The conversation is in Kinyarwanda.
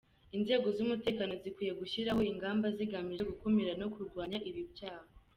Inzego z’umutekano zikwiye gushyiraho ingamba zigamije gukumira no kurwanya ibi byaha.